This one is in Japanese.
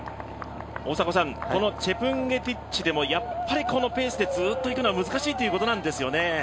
チェプンゲティッチでもこのペースでずっと行くのは難しいということなんですよね。